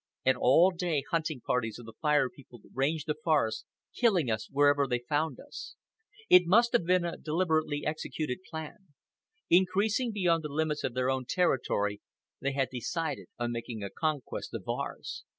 And all day hunting parties of the Fire People ranged the forest, killing us wherever they found us. It must have been a deliberately executed plan. Increasing beyond the limits of their own territory, they had decided on making a conquest of ours.